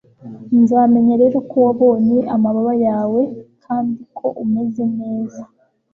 nzamenya rero ko wabonye amababa yawe kandi ko umeze neza